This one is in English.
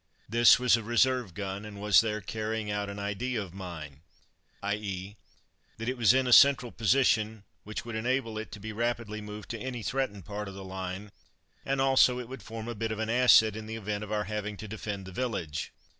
This was a reserve gun, and was there carrying out an idea of mine, i.e., that it was in a central position, which would enable it to be rapidly moved to any threatened part of the line, and also it would form a bit of an asset in the event of our having to defend the village.